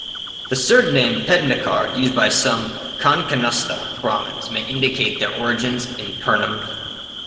The surname "Pednekar" used by some Konkanastha Brahmans may indicate their origins in Pernem.